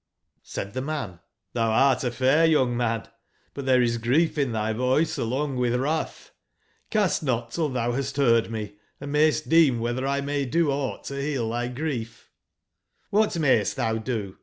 J§ Said the man :'^ thou art a fair young man : but there is grief in thy voice along with wrath J9 Cast not till thou hast heard me, and mayst deem whether 1 may do aught to heal thy grief" j^''<nhat mayst thou do?"